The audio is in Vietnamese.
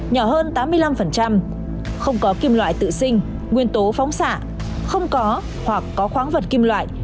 nhỏ hơn tám mươi năm không có kim loại tự sinh nguyên tố phóng xạ không có hoặc có khoáng vật kim loại